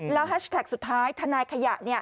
แฮชแท็กสุดท้ายทนายขยะ